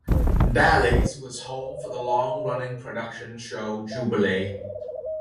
Bally's was home for the long-running production show Jubilee!